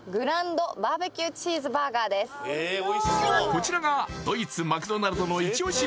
こちらがドイツマクドナルドのイチ押し